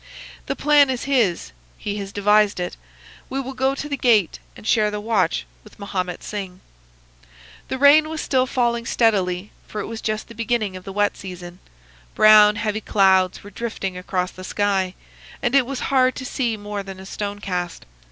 "'The plan is his. He has devised it. We will go to the gate and share the watch with Mahomet Singh.' "The rain was still falling steadily, for it was just the beginning of the wet season. Brown, heavy clouds were drifting across the sky, and it was hard to see more than a stone cast.